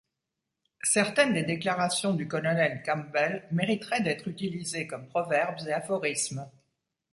Certaines des déclarations du colonel Campbell mériteraient d'être utilisées comme proverbes et aphorismes.